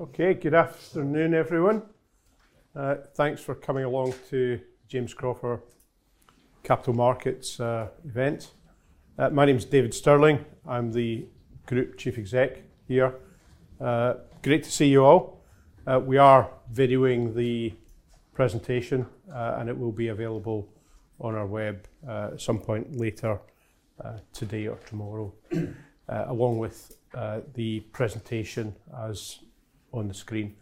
Okay, good afternoon, everyone. Thanks for coming along to James Cropper Capital Markets event. My name is David Stirling. I'm the Group Chief Exec here. Great to see you all. We are videoing the presentation, and it will be available on our web at some point later today or tomorrow, along with the presentation as on the screen.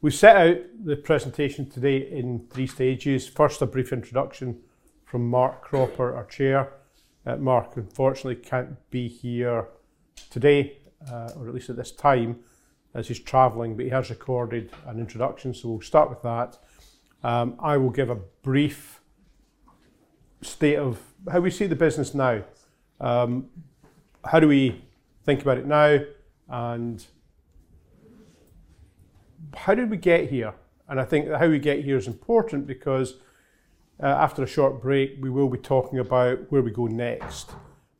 We set out the presentation today in three stages. First, a brief introduction from Mark Cropper, our Chair. Mark, unfortunately, can't be here today, or at least at this time, as he's traveling, but he has recorded an introduction, so we'll start with that. I will give a brief state of how we see the business now, how do we think about it now, and how did we get here. I think how we get here is important because after a short break, we will be talking about where we go next.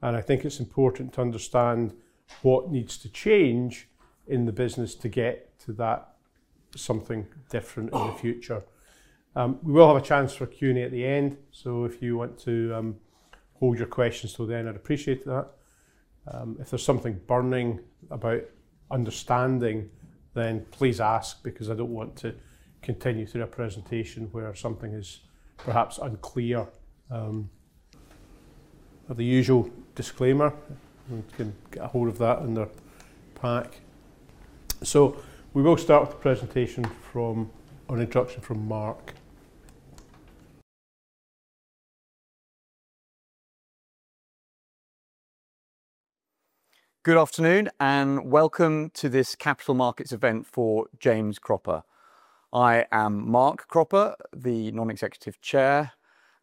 I think it is important to understand what needs to change in the business to get to that something different in the future. We will have a chance for Q&A at the end, so if you want to hold your questions till the end, I would appreciate that. If there is something burning about understanding, then please ask, because I do not want to continue through a presentation where something is perhaps unclear. The usual disclaimer, you can get a hold of that in the pack. We will start with the presentation from an introduction from Mark. Good afternoon and welcome to this Capital Markets event for James Cropper. I am Mark Cropper, the Non-Executive Chair,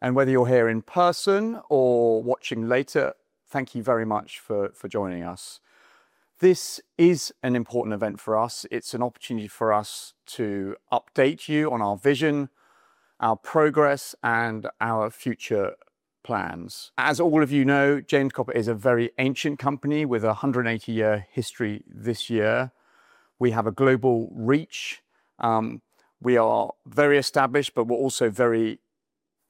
and whether you're here in person or watching later, thank you very much for joining us. This is an important event for us. It's an opportunity for us to update you on our vision, our progress, and our future plans. As all of you know, James Cropper is a very ancient company with a 180-year history this year. We have a global reach. We are very established, but we're also very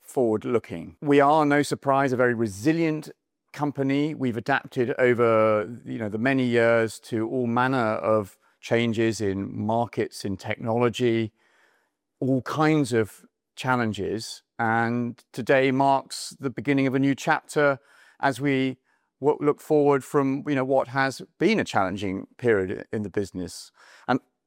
forward-looking. We are, no surprise, a very resilient company. We've adapted over the many years to all manner of changes in markets, in technology, all kinds of challenges. Today marks the beginning of a new chapter as we look forward from what has been a challenging period in the business.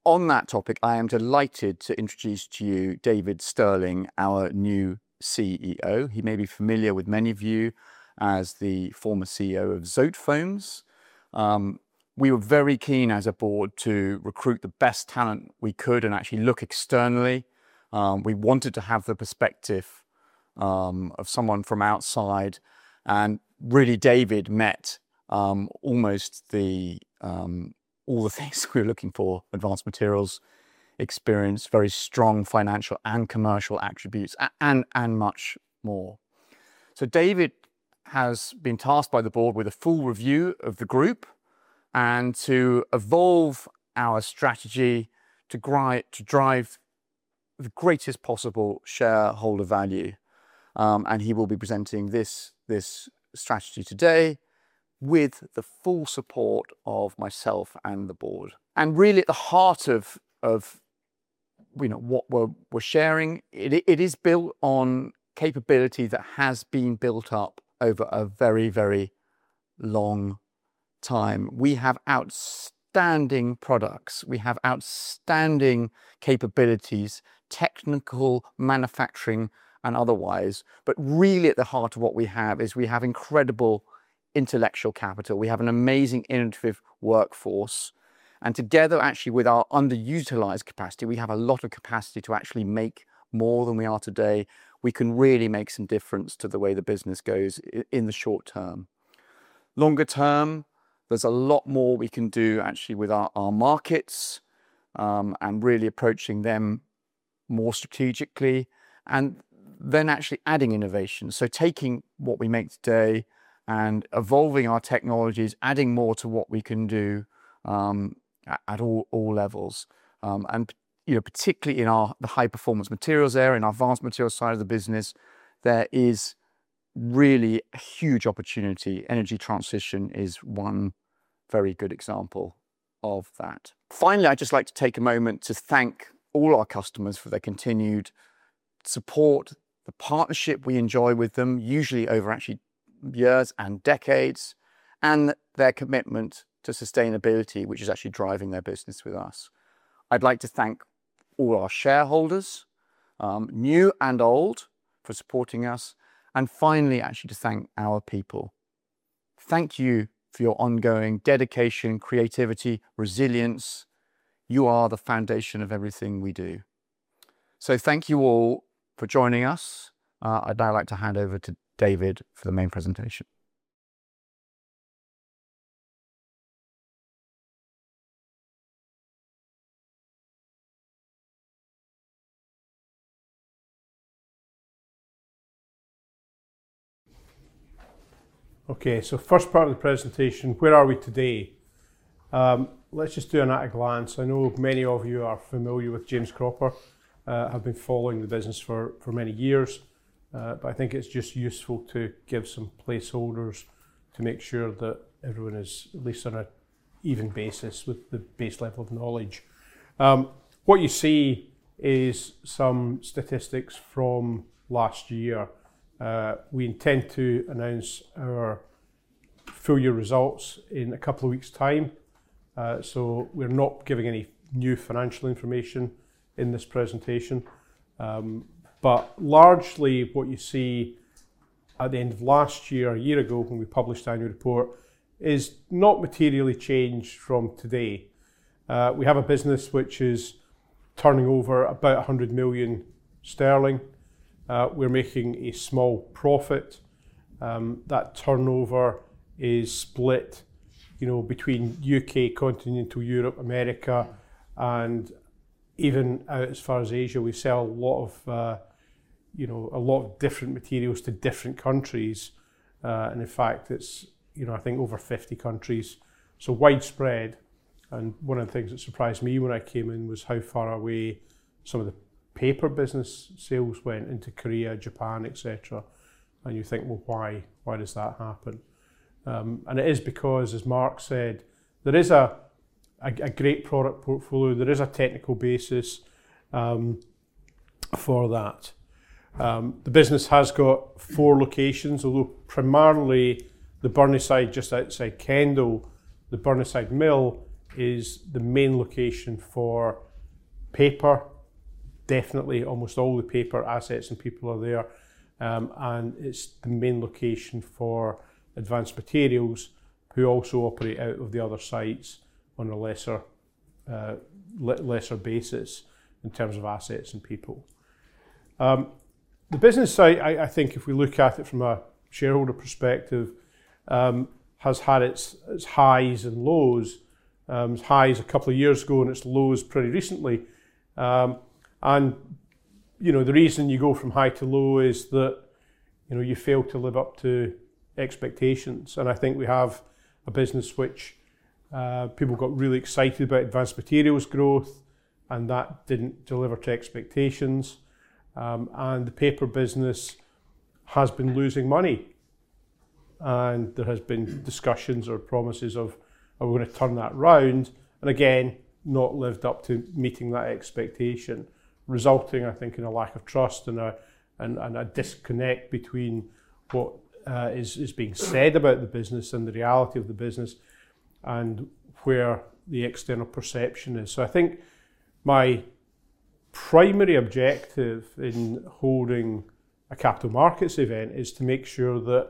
On that topic, I am delighted to introduce to you David Stirling, our new CEO. He may be familiar with many of you as the former CEO of Zotefoams. We were very keen as a board to recruit the best talent we could and actually look externally. We wanted to have the perspective of someone from outside. Really, David met almost all the things we were looking for: advanced materials, experience, very strong financial and commercial attributes, and much more. David has been tasked by the board with a full review of the group and to evolve our strategy to drive the greatest possible shareholder value. He will be presenting this strategy today with the full support of myself and the board. Really, at the heart of what we're sharing, it is built on capability that has been built up over a very, very long time. We have outstanding products. We have outstanding capabilities, technical, manufacturing, and otherwise. Really, at the heart of what we have is we have incredible intellectual capital. We have an amazing innovative workforce. Together, actually, with our underutilized capacity, we have a lot of capacity to actually make more than we are today. We can really make some difference to the way the business goes in the short term. Longer term, there is a lot more we can do actually with our markets and really approaching them more strategically, and then actually adding innovation. Taking what we make today and evolving our technologies, adding more to what we can do at all levels. Particularly in the high-performance materials area, in our advanced materials side of the business, there is really a huge opportunity. Energy transition is one very good example of that. Finally, I would just like to take a moment to thank all our customers for their continued support, the partnership we enjoy with them, usually over actually years and decades, and their commitment to sustainability, which is actually driving their business with us. I would like to thank all our shareholders, new and old, for supporting us. Finally, actually to thank our people. Thank you for your ongoing dedication, creativity, resilience. You are the foundation of everything we do. Thank you all for joining us. I would now like to hand over to David for the main presentation. Okay, first part of the presentation, where are we today? Let us just do an at-a-glance. I know many of you are familiar with James Cropper. I've been following the business for many years, but I think it's just useful to give some placeholders to make sure that everyone is at least on an even basis with the base level of knowledge. What you see is some statistics from last year. We intend to announce our full year results in a couple of weeks' time. We are not giving any new financial information in this presentation. Largely, what you see at the end of last year, a year ago when we published our new report, is not materially changed from today. We have a business which is turning over about 100 million sterling. We are making a small profit. That turnover is split between the U.K., continental Europe, America, and even as far as Asia. We sell a lot of different materials to different countries. In fact, it's, I think, over 50 countries. So widespread. One of the things that surprised me when I came in was how far away some of the paper business sales went into Korea, Japan, etc. You think, why does that happen? It is because, as Mark said, there is a great product portfolio. There is a technical basis for that. The business has got four locations, although primarily the Burneside, just outside Kendal, the Burneside Mill is the main location for paper. Definitely almost all the paper assets and people are there. It is the main location for advanced materials who also operate out of the other sites on a lesser basis in terms of assets and people. The business side, I think if we look at it from a shareholder perspective, has had its highs and lows. It's highs a couple of years ago and its lows pretty recently. The reason you go from high to low is that you fail to live up to expectations. I think we have a business which people got really excited about advanced materials growth, and that didn't deliver to expectations. The paper business has been losing money. There has been discussions or promises of, are we going to turn that around? Again, not lived up to meeting that expectation, resulting, I think, in a lack of trust and a disconnect between what is being said about the business and the reality of the business and where the external perception is. I think my primary objective in holding a Capital Markets event is to make sure that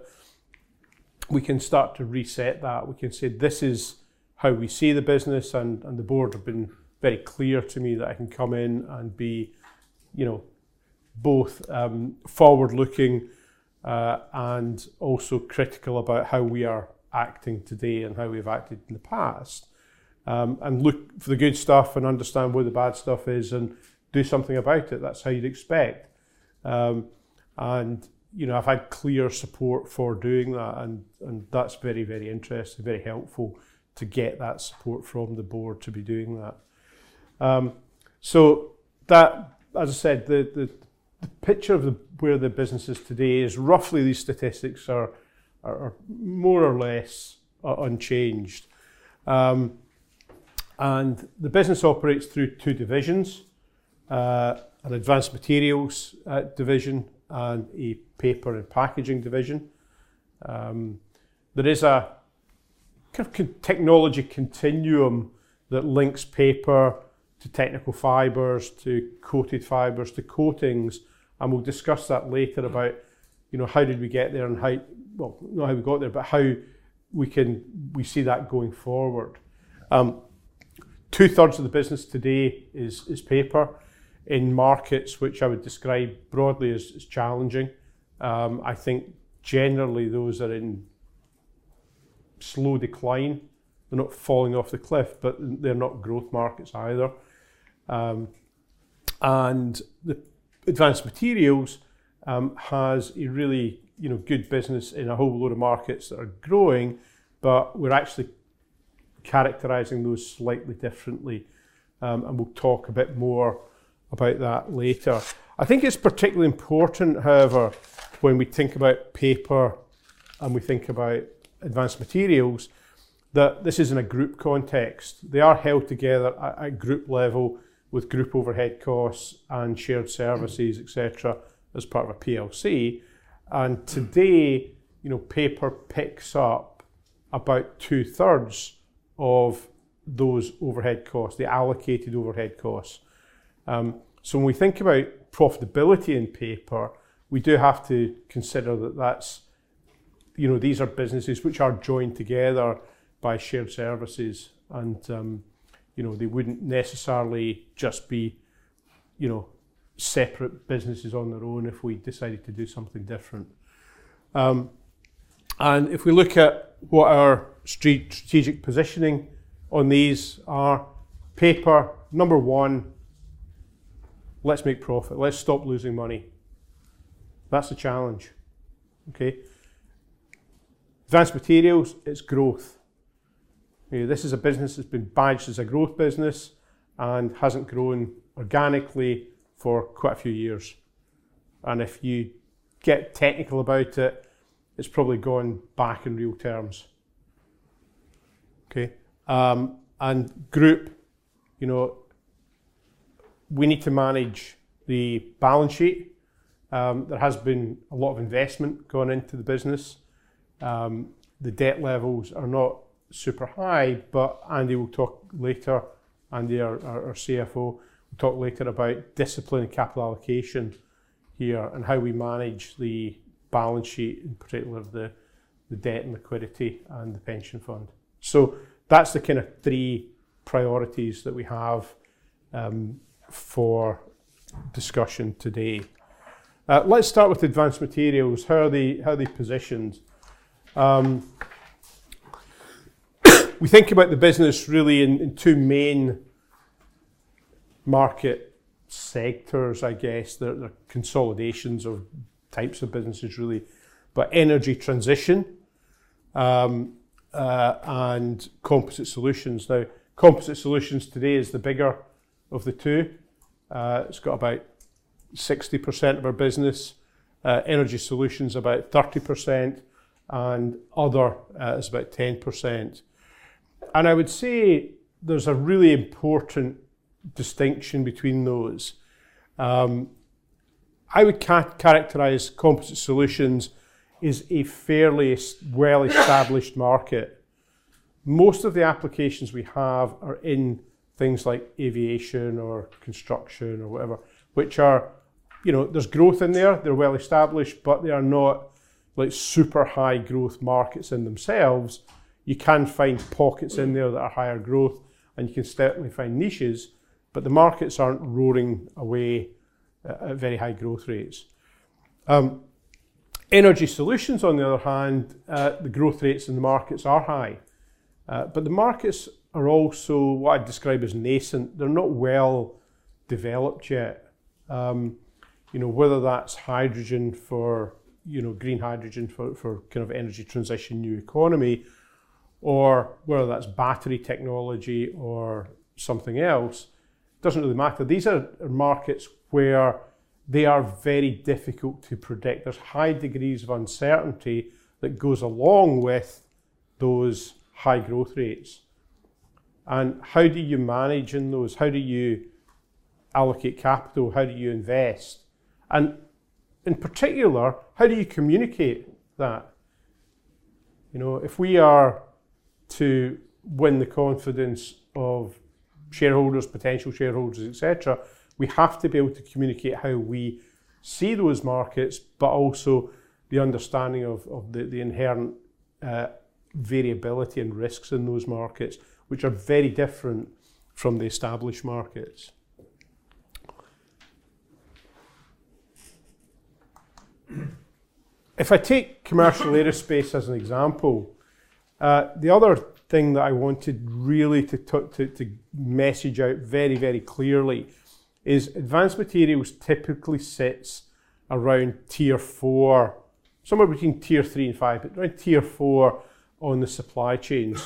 we can start to reset that. We can say, this is how we see the business. The board have been very clear to me that I can come in and be both forward-looking and also critical about how we are acting today and how we've acted in the past. I look for the good stuff and understand where the bad stuff is and do something about it. That's how you'd expect. I've had clear support for doing that. That's very, very interesting, very helpful to get that support from the board to be doing that. As I said, the picture of where the business is today is roughly these statistics are more or less unchanged. The business operates through two divisions, an advanced materials division and a paper and packaging division. There is a technology continuum that links paper to technical fibres, to coated fibres, to coatings. We will discuss that later about how did we get there and how, not how we got there, but how we see that going forward. Two-thirds of the business today is paper in markets, which I would describe broadly as challenging. I think generally those are in slow decline. They are not falling off the cliff, but they are not growth markets either. The advanced materials has a really good business in a whole lot of markets that are growing, but we are actually characterizing those slightly differently. We will talk a bit more about that later. I think it is particularly important, however, when we think about paper and we think about advanced materials, that this is in a group context. They are held together at group level with group overhead costs and shared services, etc., as part of a PLC. Today, paper picks up about 2/3 of those overhead costs, the allocated overhead costs. When we think about profitability in paper, we do have to consider that these are businesses which are joined together by shared services. They would not necessarily just be separate businesses on their own if we decided to do something different. If we look at what our strategic positioning on these are, paper, number one, let's make profit. Let's stop losing money. That is the challenge. Okay? Advanced materials, it is growth. This is a business that has been badged as a growth business and has not grown organically for quite a few years. If you get technical about it, it has probably gone back in real terms. Okay? Group, we need to manage the balance sheet. There has been a lot of investment going into the business. The debt levels are not super high, but Andy will talk later, Andy our CFO, will talk later about discipline and capital allocation here and how we manage the balance sheet, in particular the debt and liquidity and the pension fund. That is the kind of three priorities that we have for discussion today. Let's start with advanced materials. How are they positioned? We think about the business really in two main market sectors, I guess. They are consolidations of types of businesses, really, but energy transition and composite solutions. Now, composite solutions today is the bigger of the two. It has about 60% of our business. Energy solutions, about 30%, and other is about 10%. I would say there is a really important distinction between those. I would characterize composite solutions as a fairly well-established market. Most of the applications we have are in things like aviation or construction or whatever, which are, there's growth in there. They're well-established, but they are not super high growth markets in themselves. You can find pockets in there that are higher growth, and you can certainly find niches, but the markets aren't roaring away at very high growth rates. Energy solutions, on the other hand, the growth rates in the markets are high, but the markets are also what I'd describe as nascent. They're not well developed yet. Whether that's hydrogen for green hydrogen for kind of energy transition, new economy, or whether that's battery technology or something else, it doesn't really matter. These are markets where they are very difficult to predict. There's high degrees of uncertainty that goes along with those high growth rates. How do you manage in those? How do you allocate capital? How do you invest? And in particular, how do you communicate that? If we are to win the confidence of shareholders, potential shareholders, etc., we have to be able to communicate how we see those markets, but also the understanding of the inherent variability and risks in those markets, which are very different from the established markets. If I take commercial aerospace as an example, the other thing that I wanted really to message out very, very clearly is advanced materials typically sits around tier four, somewhere between tier three and five, but around tier four on the supply chains.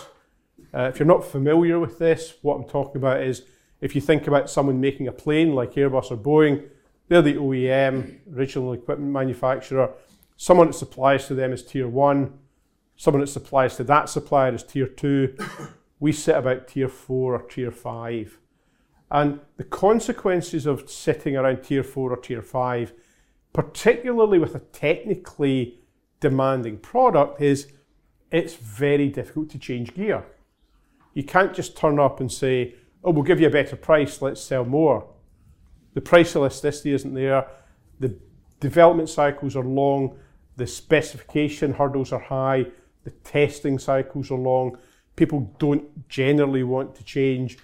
If you're not familiar with this, what I'm talking about is if you think about someone making a plane like Airbus or Boeing, they're the OEM, original equipment manufacturer. Someone that supplies to them is tier one. Someone that supplies to that supplier is tier two. We sit about tier four or tier five. The consequences of sitting around tier four or tier five, particularly with a technically demanding product, is it's very difficult to change gear. You can't just turn up and say, "Oh, we'll give you a better price. Let's sell more." The price elasticity isn't there. The development cycles are long. The specification hurdles are high. The testing cycles are long. People don't generally want to change.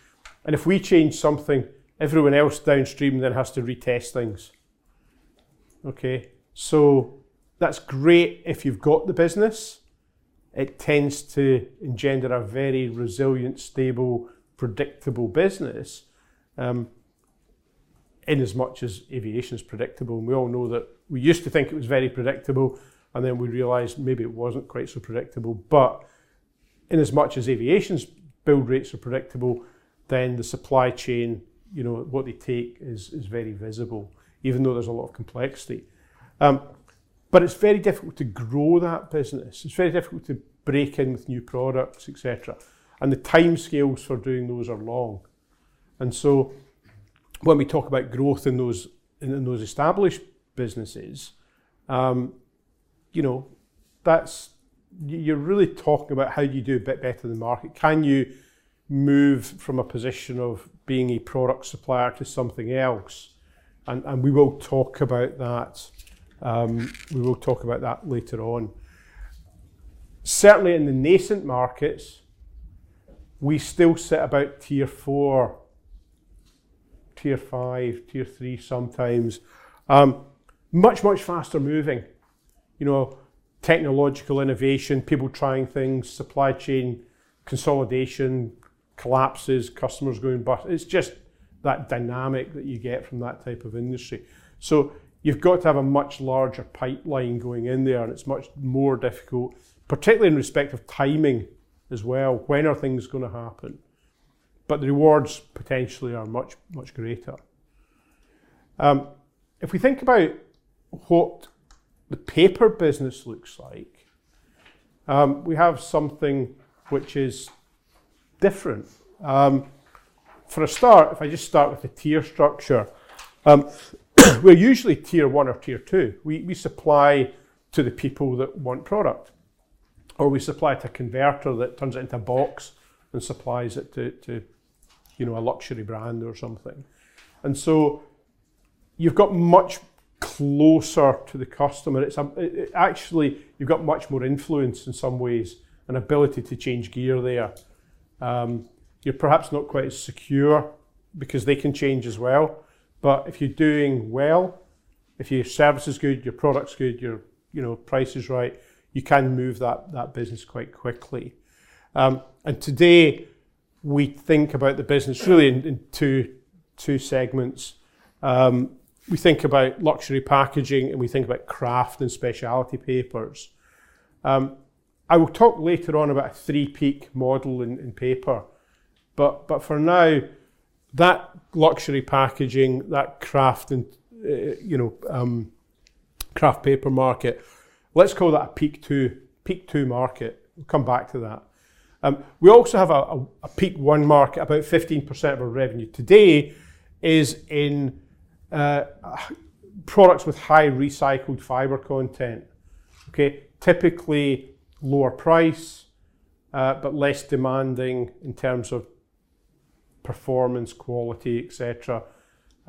If we change something, everyone else downstream then has to retest things. Okay? That's great if you've got the business. It tends to engender a very resilient, stable, predictable business inasmuch as aviation is predictable. We all know that we used to think it was very predictable, and then we realized maybe it wasn't quite so predictable. Inasmuch as aviation's build rates are predictable, the supply chain, what they take is very visible, even though there's a lot of complexity. It is very difficult to grow that business. It is very difficult to break in with new products, etc. The time scales for doing those are long. When we talk about growth in those established businesses, you are really talking about how do you do a bit better than the market. Can you move from a position of being a product supplier to something else. We will talk about that. We will talk about that later on. Certainly in the nascent markets, we still sit about tier four, tier five, tier three sometimes, much, much faster moving. Technological innovation, people trying things, supply chain consolidation, collapses, customers going bust. It is just that dynamic that you get from that type of industry. You have got to have a much larger pipeline going in there, and it is much more difficult, particularly in respect of timing as well. When are things going to happen? The rewards potentially are much, much greater. If we think about what the paper business looks like, we have something which is different. For a start, if I just start with the tier structure, we are usually tier one or tier two. We supply to the people that want product, or we supply to a converter that turns it into a box and supplies it to a luxury brand or something. You have got much closer to the customer. Actually, you have got much more influence in some ways and ability to change gear there. You are perhaps not quite as secure because they can change as well. If you're doing well, if your service is good, your product's good, your price is right, you can move that business quite quickly. Today, we think about the business really in two segments. We think about luxury packaging, and we think about craft and speciality papers. I will talk later on about a three-peak model in paper. For now, that luxury packaging, that craft paper market, let's call that a peak two market. We'll come back to that. We also have a peak one market. About 15% of our revenue today is in products with high recycled fibre content, typically lower price, but less demanding in terms of performance, quality, etc.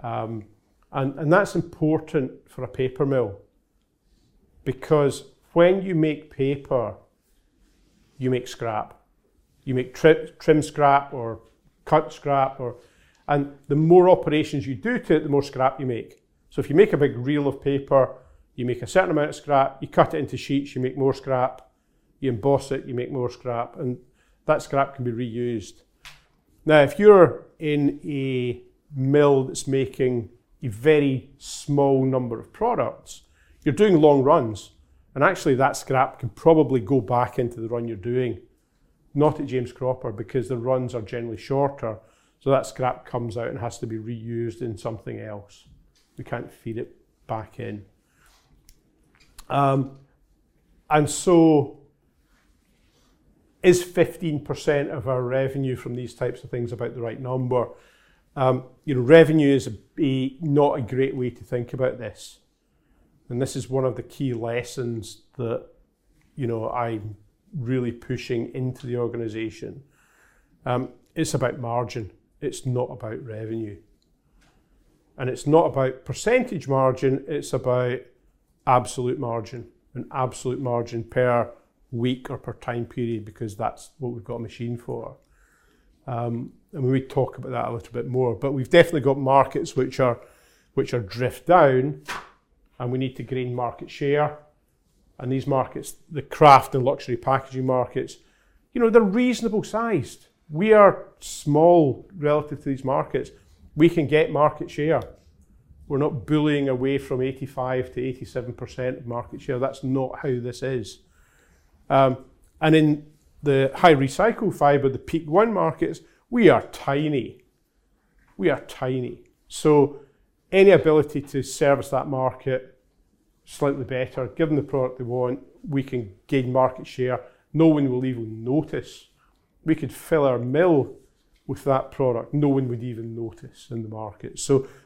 That's important for a paper mill because when you make paper, you make scrap. You make trim scrap or cut scrap. The more operations you do to it, the more scrap you make. If you make a big reel of paper, you make a certain amount of scrap, you cut it into sheets, you make more scrap, you emboss it, you make more scrap, and that scrap can be reused. Now, if you're in a mill that's making a very small number of products, you're doing long runs. Actually, that scrap can probably go back into the run you're doing, not at James Cropper because the runs are generally shorter. That scrap comes out and has to be reused in something else. You can't feed it back in. Is 15% of our revenue from these types of things about the right number? Revenue is not a great way to think about this. This is one of the key lessons that I'm really pushing into the organization. It's about margin. It's not about revenue. It is not about percentage margin. It is about absolute margin, an absolute margin per week or per time period because that is what we have got a machine for. We talk about that a little bit more. We have definitely got markets which are drift down, and we need to gain market share. These markets, the craft and luxury packaging markets, they are reasonably sized. We are small relative to these markets. We can get market share. We are not bullying away from 85%-87% of market share. That is not how this is. In the high recycled fibre, the peak one markets, we are tiny. We are tiny. Any ability to service that market slightly better, give them the product they want, we can gain market share. No one will even notice. We could fill our mill with that product. No one would even notice in the market.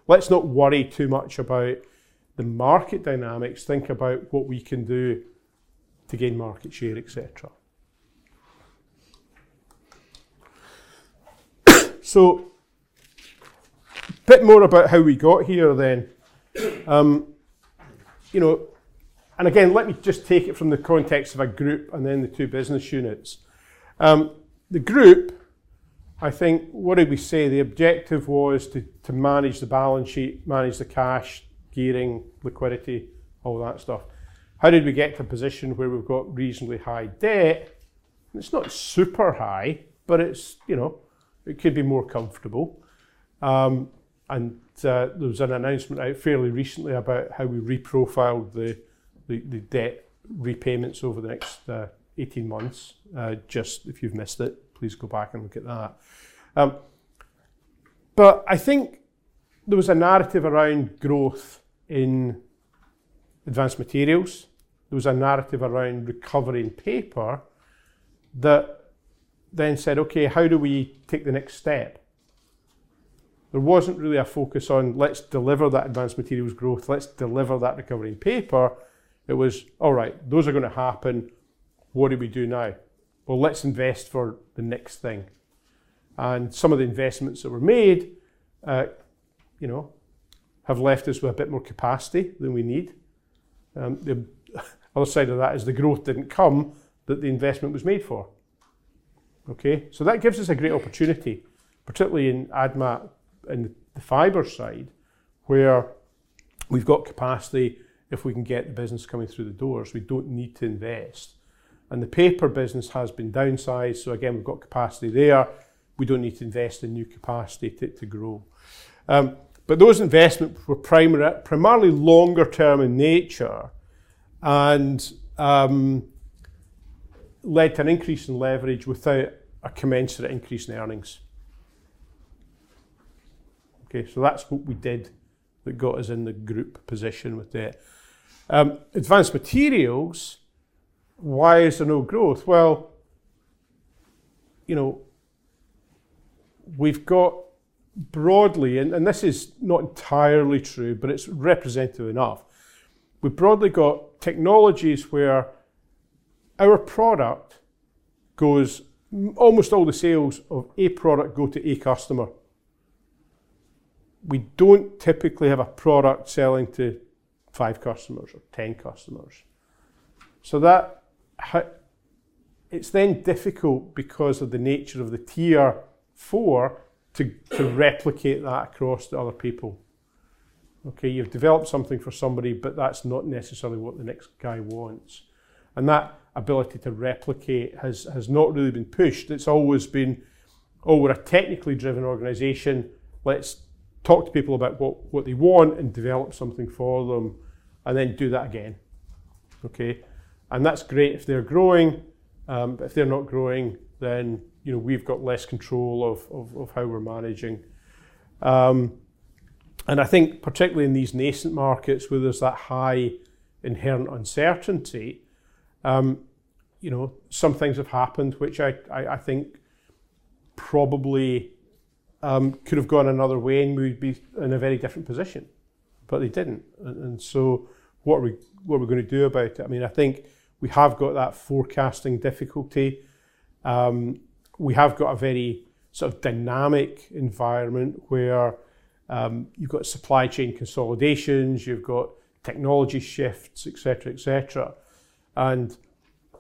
Let's not worry too much about the market dynamics. Think about what we can do to gain market share, etc. A bit more about how we got here then. Let me just take it from the context of a group and then the two business units. The group, I think, what did we say? The objective was to manage the balance sheet, manage the cash, gearing, liquidity, all that stuff. How did we get to a position where we've got reasonably high debt? It's not super high, but it could be more comfortable. There was an announcement out fairly recently about how we reprofiled the debt repayments over the next 18 months. If you've missed it, please go back and look at that. I think there was a narrative around growth in advanced materials. There was a narrative around recovering paper that then said, "Okay, how do we take the next step?" There was not really a focus on, "Let's deliver that advanced materials growth. Let's deliver that recovering paper." It was, "All right, those are going to happen. What do we do now?" Let's invest for the next thing. Some of the investments that were made have left us with a bit more capacity than we need. The other side of that is the growth did not come that the investment was made for. Okay? That gives us a great opportunity, particularly in the fibre side where we have capacity. If we can get the business coming through the doors, we do not need to invest. The paper business has been downsized. Again, we have capacity there. We do not need to invest in new capacity to grow. Those investments were primarily longer-term in nature and led to an increase in leverage without a commensurate increase in earnings. Okay? That is what we did that got us in the group position with that. Advanced materials, why is there no growth? We have broadly, and this is not entirely true, but it is representative enough. We have broadly got technologies where our product goes, almost all the sales of a product go to a customer. We do not typically have a product selling to five customers or ten customers. It is then difficult because of the nature of the tier four to replicate that across to other people. Okay? You have developed something for somebody, but that is not necessarily what the next guy wants. That ability to replicate has not really been pushed. It has always been, "Oh, we are a technically driven organization. Let's talk to people about what they want and develop something for them and then do that again. Okay? And that's great if they're growing. If they're not growing, then we've got less control of how we're managing. I think particularly in these nascent markets where there's that high inherent uncertainty, some things have happened which I think probably could have gone another way and we'd be in a very different position, but they didn't. What are we going to do about it? I mean, I think we have got that forecasting difficulty. We have got a very sort of dynamic environment where you've got supply chain consolidations, you've got technology shifts, etc., etc.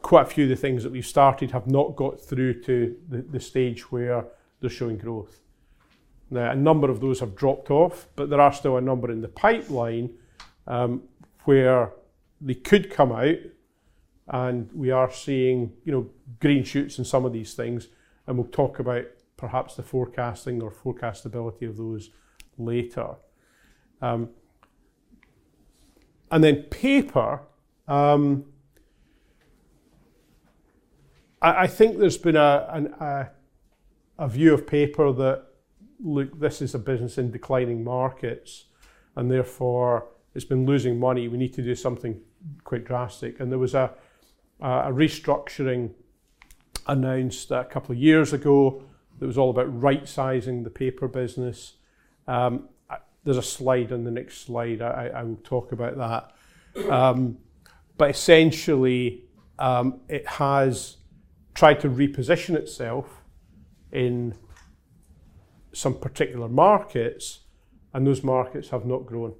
Quite a few of the things that we've started have not got through to the stage where they're showing growth. Now, a number of those have dropped off, but there are still a number in the pipeline where they could come out, and we are seeing green shoots in some of these things. We will talk about perhaps the forecasting or forecastability of those later. Paper, I think there's been a view of paper that, "Look, this is a business in declining markets, and therefore it's been losing money. We need to do something quite drastic." There was a restructuring announced a couple of years ago that was all about right-sizing the paper business. There's a slide on the next slide. I will talk about that. Essentially, it has tried to reposition itself in some particular markets, and those markets have not grown.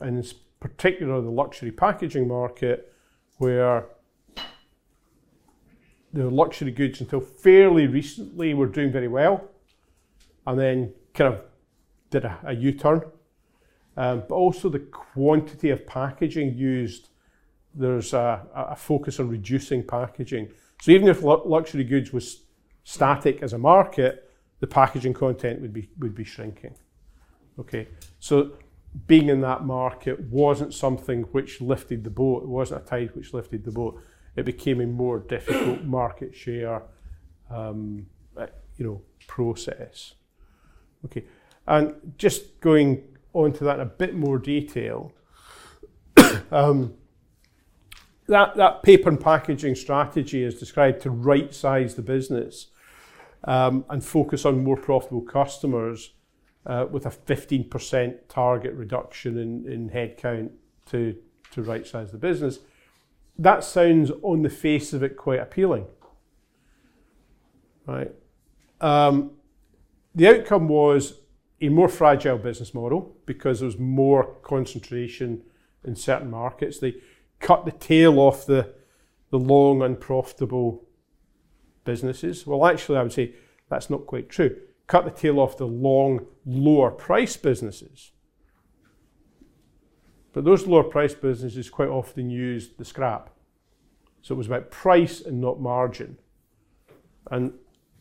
In particular, the luxury packaging market where the luxury goods until fairly recently were doing very well and then kind of did a U-turn. Also, the quantity of packaging used, there's a focus on reducing packaging. Even if luxury goods was static as a market, the packaging content would be shrinking. Okay? Being in that market was not something which lifted the boat. It was not a tide which lifted the boat. It became a more difficult market share process. Okay? Going on to that in a bit more detail, that paper and packaging strategy is described to right-size the business and focus on more profitable customers with a 15% target reduction in headcount to right-size the business. That sounds on the face of it quite appealing. Right? The outcome was a more fragile business model because there was more concentration in certain markets. They cut the tail off the long unprofitable businesses. Actually, I would say that's not quite true. Cut the tail off the long lower-priced businesses. Those lower-priced businesses quite often used the scrap. It was about price and not margin.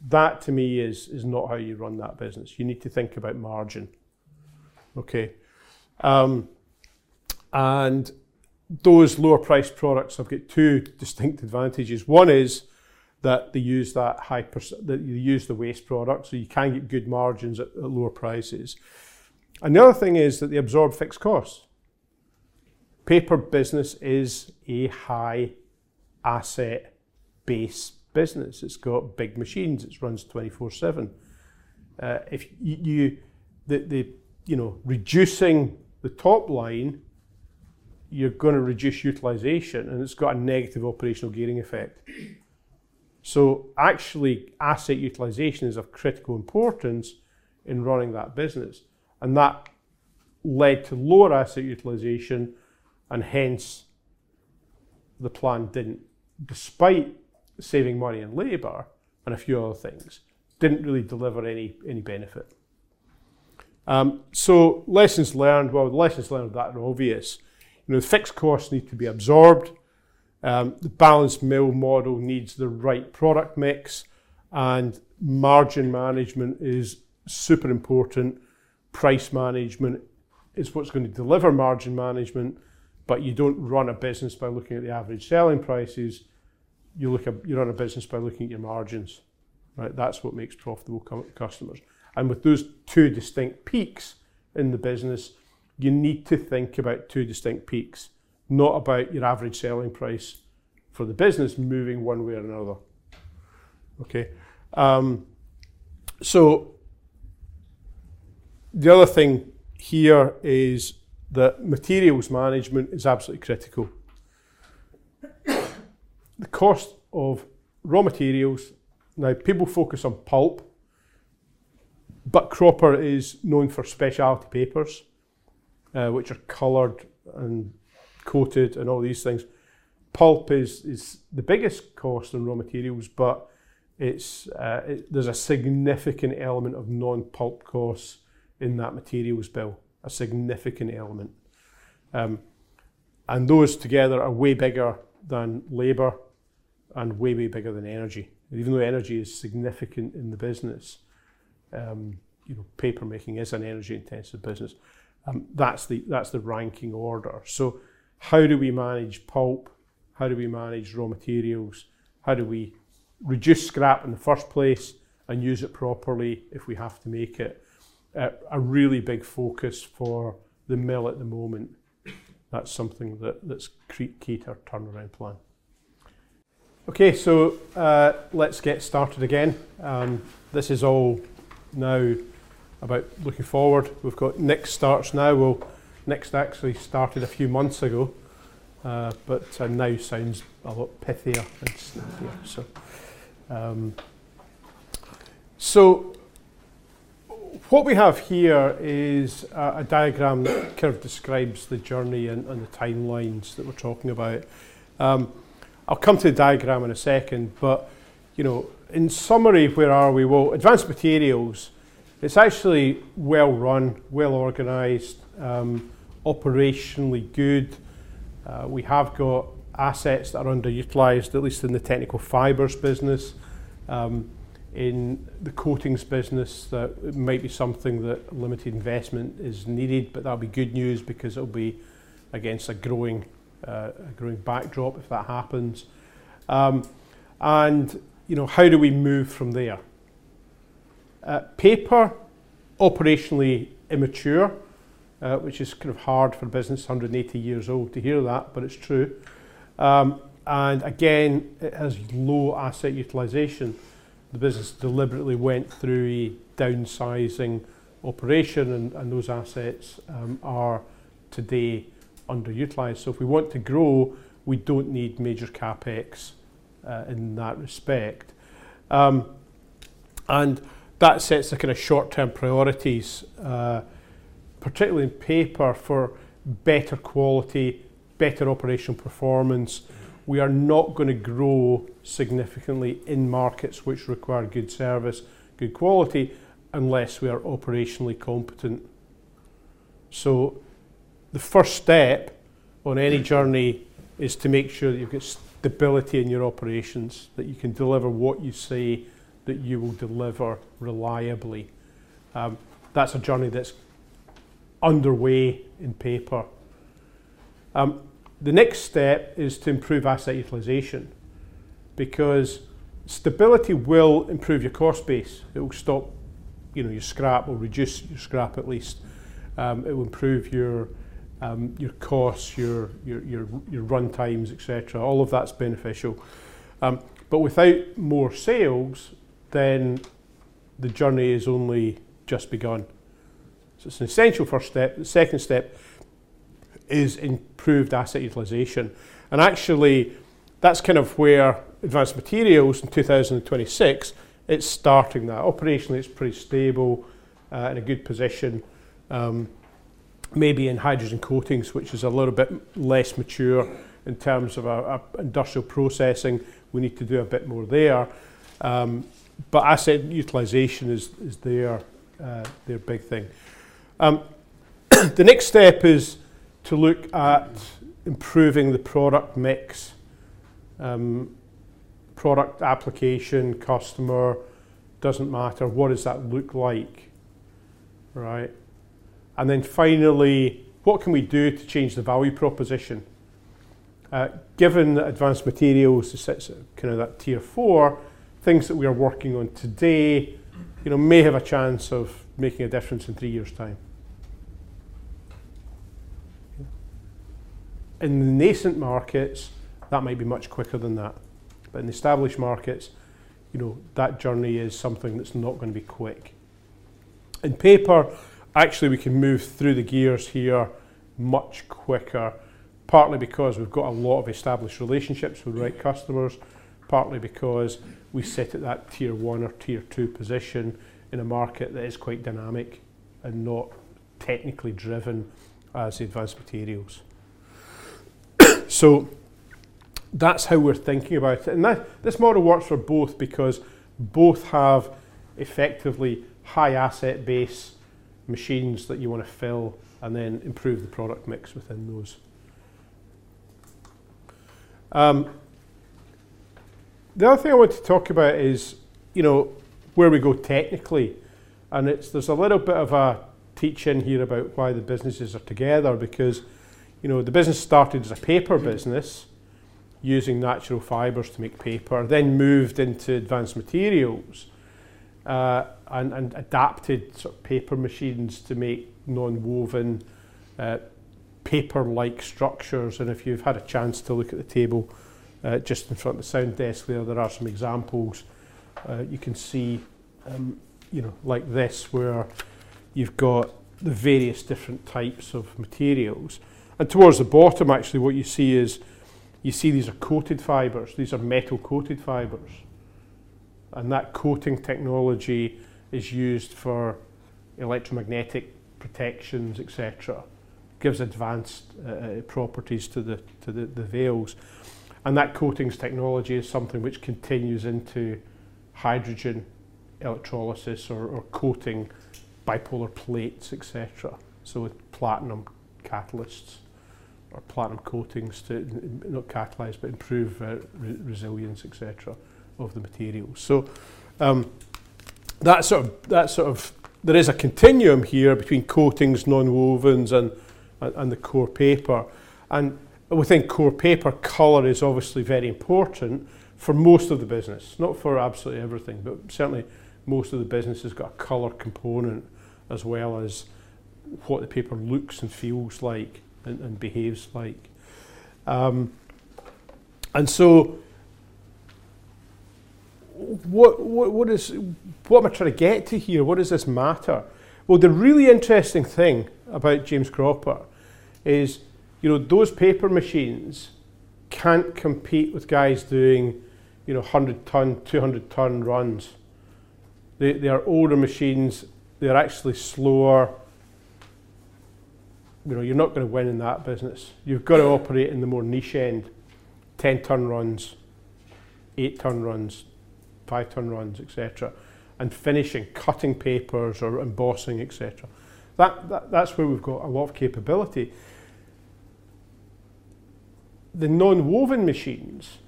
That, to me, is not how you run that business. You need to think about margin. Okay? Those lower-priced products have got two distinct advantages. One is that they use that high percent that you use the waste product, so you can get good margins at lower prices. The other thing is that they absorb fixed costs. Paper business is a high-asset-based business. It's got big machines. It runs 24/7. Reducing the top line, you're going to reduce utilisation, and it's got a negative operational gearing effect. Actually, asset utilisation is of critical importance in running that business. That led to lower asset utilization, and hence the plan did not, despite saving money and labor and a few other things, really deliver any benefit. Lessons learned? The lessons learned are obvious. The fixed costs need to be absorbed. The balanced mill model needs the right product mix, and margin management is super important. Price management is what is going to deliver margin management, but you do not run a business by looking at the average selling prices. You run a business by looking at your margins. That is what makes profitable customers. With those two distinct peaks in the business, you need to think about two distinct peaks, not about your average selling price for the business moving one way or another. The other thing here is that materials management is absolutely critical. The cost of raw materials now, people focus on pulp, but Cropper is known for specialty papers, which are coloured and coated and all these things. Pulp is the biggest cost in raw materials, but there is a significant element of non-pulp costs in that materials bill, a significant element. Those together are way bigger than labor and way, way bigger than energy. Even though energy is significant in the business, paper making is an energy-intensive business. That is the ranking order. How do we manage pulp? How do we manage raw materials? How do we reduce scrap in the first place and use it properly if we have to make it? A really big focus for the mill at the moment. That is something that is key to our turnaround plan. Okay, let us get started again. This is all now about looking forward. We have got Nick starts now. Nick's actually started a few months ago, but now sounds a lot pithier and sniffier. What we have here is a diagram that kind of describes the journey and the timelines that we're talking about. I'll come to the diagram in a second, but in summary, where are we? Advanced materials, it's actually well run, well organized, operationally good. We have got assets that are underutilized, at least in the technical fibres business. In the coatings business, that might be something that limited investment is needed, but that'll be good news because it'll be against a growing backdrop if that happens. How do we move from there? Paper, operationally immature, which is kind of hard for a business, 180-years-old, to hear that, but it's true. Again, it has low asset utilization. The business deliberately went through a downsizing operation, and those assets are today underutilized. If we want to grow, we do not need major CapEx in that respect. That sets the kind of short-term priorities, particularly in paper, for better quality, better operational performance. We are not going to grow significantly in markets which require good service, good quality, unless we are operationally competent. The first step on any journey is to make sure that you have got stability in your operations, that you can deliver what you say that you will deliver reliably. That is a journey that is underway in paper. The next step is to improve asset utilization because stability will improve your cost base. It will stop your scrap or reduce your scrap, at least. It will improve your costs, your run times, etc. All of that is beneficial. Without more sales, the journey has only just begun. It is an essential first step. The second step is improved asset utilisation. Actually, that is kind of where advanced materials in 2026 is starting that. Operationally, it is pretty stable and in a good position. Maybe in hydrogen coatings, which is a little bit less mature in terms of industrial processing, we need to do a bit more there. Asset utilisation is their big thing. The next step is to look at improving the product mix, product application, customer, does not matter. What does that look like? Right? Finally, what can we do to change the value proposition? Given that advanced materials is kind of that tier four, things that we are working on today may have a chance of making a difference in three years' time. In the nascent markets, that might be much quicker than that. In established markets, that journey is something that's not going to be quick. In paper, actually, we can move through the gears here much quicker, partly because we've got a lot of established relationships with the right customers, partly because we sit at that tier one or tier two position in a market that is quite dynamic and not technically driven as advanced materials. That is how we're thinking about it. This model works for both because both have effectively high asset base machines that you want to fill and then improve the product mix within those. The other thing I want to talk about is where we go technically. There is a little bit of a teach-in here about why the businesses are together because the business started as a paper business using natural fibers to make paper, then moved into advanced materials and adapted sort of paper machines to make non-woven paper-like structures. If you have had a chance to look at the table just in front of the sound desk there, there are some examples. You can see like this where you have got the various different types of materials. Towards the bottom, actually, what you see is you see these are coated fibers. These are metal-coated fibers. That coating technology is used for electromagnetic protections, etc. It gives advanced properties to the vales. That coatings technology is something which continues into hydrogen electrolysis or coating bipolar plates, etc., with platinum catalysts or platinum coatings to not catalyze, but improve resilience, etc., of the materials. There is a continuum here between coatings, non-wovens, and the core paper. Within core paper, color is obviously very important for most of the business, not for absolutely everything, but certainly most of the business has got a color component as well as what the paper looks and feels like and behaves like. What am I trying to get to here? What does this matter? The really interesting thing about James Cropper is those paper machines cannot compete with guys doing 100 ton, 200 ton runs. They are older machines. They are actually slower. You are not going to win in that business. You have to operate in the more niche end, 10 ton runs, 8 ton runs, 5 ton runs, etc., and finishing cutting papers or embossing, etc. That is where we have got a lot of capability. The non-woven machines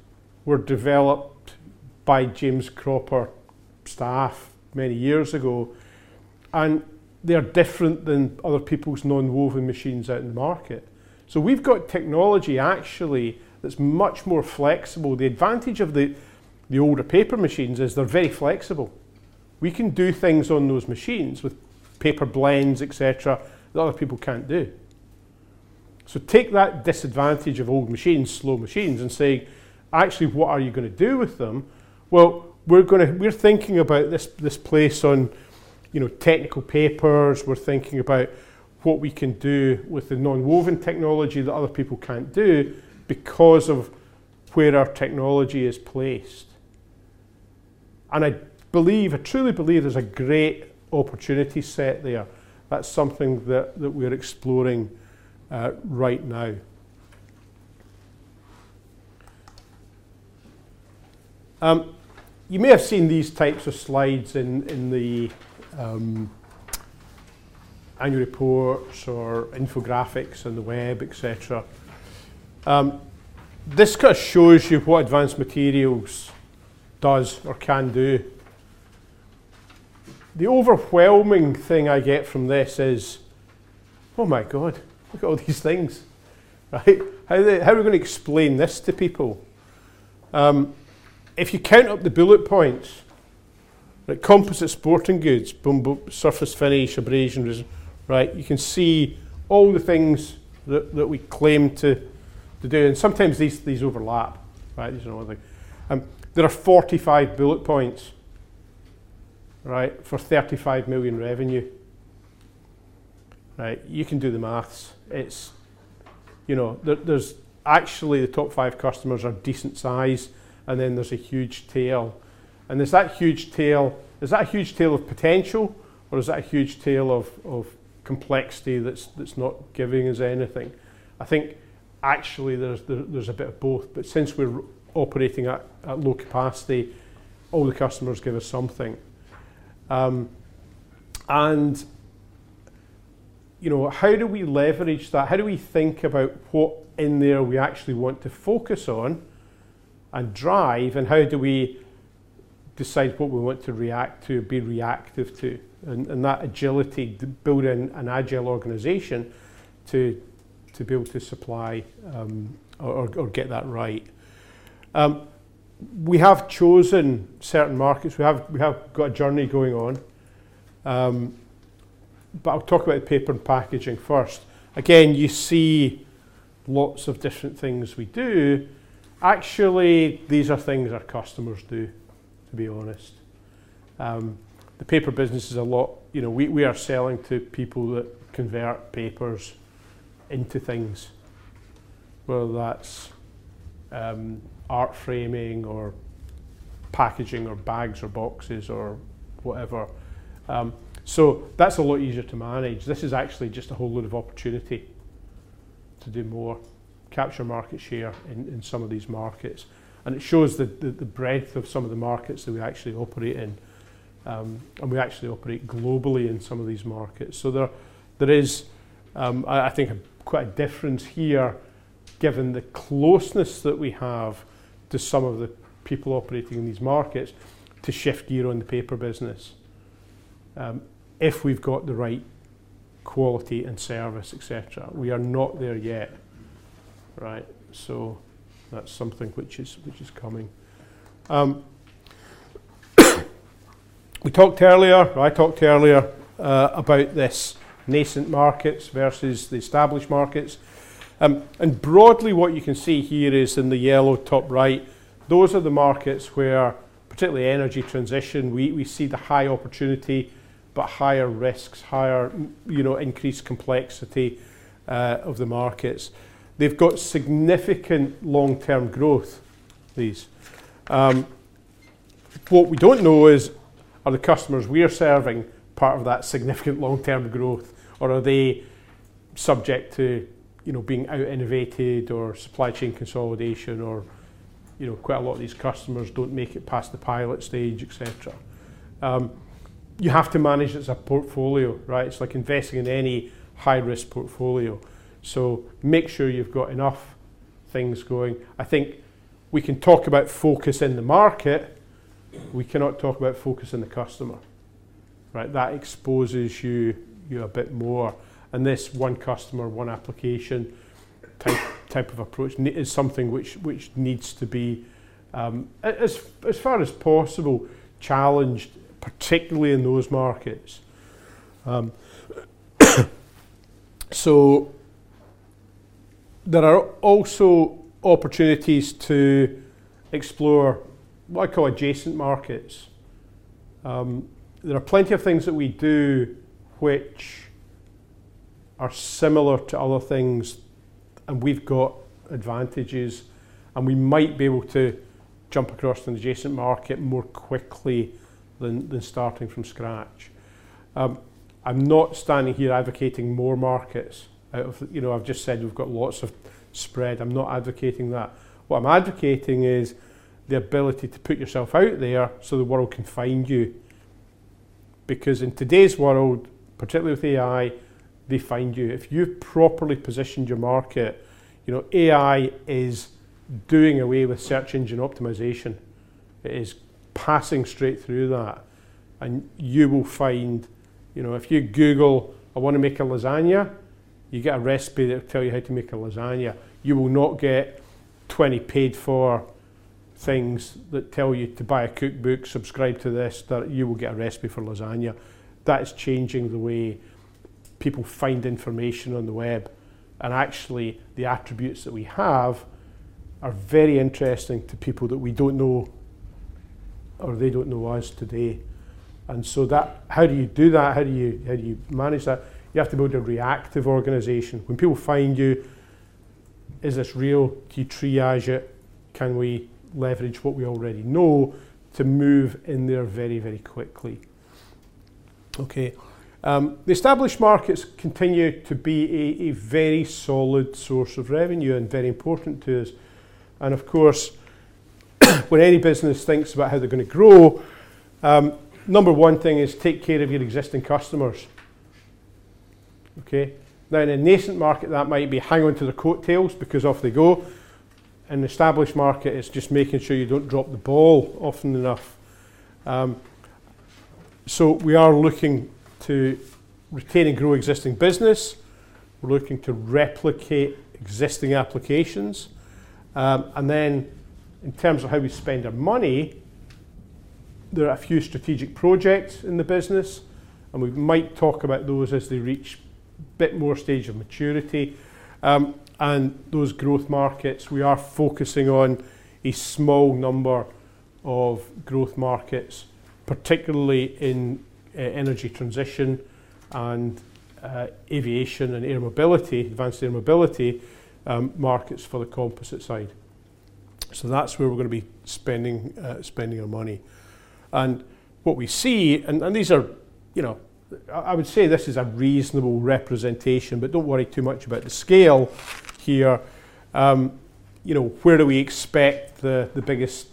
were developed by James Cropper staff many years ago, and they are different than other people's non-woven machines out in the market. So we've got technology actually that's much more flexible. The advantage of the older paper machines is they're very flexible. We can do things on those machines with paper blends, etc., that other people can't do. Take that disadvantage of old machines, slow machines, and say, actually, what are you going to do with them? We're thinking about this place on technical papers. We're thinking about what we can do with the non-woven technology that other people can't do because of where our technology is placed. I truly believe there's a great opportunity set there. That's something that we're exploring right now. You may have seen these types of slides in the annual reports or infographics on the web, etc. This kind of shows you what advanced materials does or can do. The overwhelming thing I get from this is, "Oh my God, look at all these things." Right? How are we going to explain this to people? If you count up the bullet points, composite sporting goods, boom, boom, surface finish, abrasion, right, you can see all the things that we claim to do. Sometimes these overlap, right? There is another thing. There are 45 bullet points, right, for 35 million revenue. Right? You can do the maths. Actually, the top five customers are decent size, and then there is a huge tail. There is that huge tail. Is that a huge tail of potential, or is that a huge tail of complexity that is not giving us anything? I think actually there is a bit of both, but since we are operating at low capacity, all the customers give us something. How do we leverage that? How do we think about what in there we actually want to focus on and drive, and how do we decide what we want to react to, be reactive to, and that agility, build an agile organization to be able to supply or get that right? We have chosen certain markets. We have got a journey going on. I will talk about the paper and packaging first. Again, you see lots of different things we do. Actually, these are things our customers do, to be honest. The paper business is a lot we are selling to people that convert papers into things, whether that is art framing or packaging or bags or boxes or whatever. That is a lot easier to manage. This is actually just a whole load of opportunity to do more, capture market share in some of these markets. It shows the breadth of some of the markets that we actually operate in, and we actually operate globally in some of these markets. There is, I think, quite a difference here, given the closeness that we have to some of the people operating in these markets, to shift gear on the paper business if we have the right quality and service, etc. We are not there yet. Right? That is something which is coming. I talked earlier about this nascent markets versus the established markets. Broadly, what you can see here is in the yellow top right, those are the markets where, particularly energy transition, we see the high opportunity, but higher risks, higher increased complexity of the markets. They have significant long-term growth, these. What we do not know is, are the customers we are serving part of that significant long-term growth, or are they subject to being out-innovated or supply chain consolidation, or quite a lot of these customers do not make it past the pilot stage, etc.? You have to manage it as a portfolio, right? It is like investing in any high-risk portfolio. Make sure you have got enough things going. I think we can talk about focus in the market. We cannot talk about focus in the customer, right? That exposes you a bit more. This one customer, one application type of approach is something which needs to be, as far as possible, challenged, particularly in those markets. There are also opportunities to explore what I call adjacent markets. There are plenty of things that we do which are similar to other things, and we've got advantages, and we might be able to jump across an adjacent market more quickly than starting from scratch. I'm not standing here advocating more markets. I've just said we've got lots of spread. I'm not advocating that. What I'm advocating is the ability to put yourself out there so the world can find you. Because in today's world, particularly with AI, they find you. If you've properly positioned your market, AI is doing away with search engine optimization. It is passing straight through that. You will find, if you Google, "I want to make a lasagna," you get a recipe that'll tell you how to make a lasagna. You will not get 20 paid-for things that tell you to buy a cookbook, subscribe to this, that you will get a recipe for lasagna. That is changing the way people find information on the web. Actually, the attributes that we have are very interesting to people that we do not know, or they do not know us today. How do you do that? How do you manage that? You have to build a reactive organization. When people find you, is this real? Do you triage it? Can we leverage what we already know to move in there very, very quickly? The established markets continue to be a very solid source of revenue and very important to us. Of course, when any business thinks about how they are going to grow, number one thing is take care of your existing customers. Okay? Now, in a nascent market, that might be hang onto the coattails because off they go. In an established market, it's just making sure you don't drop the ball often enough. We are looking to retain and grow existing business. We're looking to replicate existing applications. In terms of how we spend our money, there are a few strategic projects in the business, and we might talk about those as they reach a bit more stage of maturity. Those growth markets, we are focusing on a small number of growth markets, particularly in energy transition and aviation and advanced air mobility markets for the composite side. That's where we're going to be spending our money. What we see, and these are I would say this is a reasonable representation, but don't worry too much about the scale here. Where do we expect the biggest